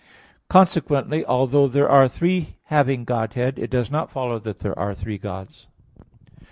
Consequently, although there are "three having Godhead," it does not follow that there are three Gods.